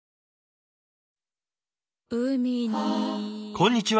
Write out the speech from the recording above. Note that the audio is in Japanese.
こんにちは。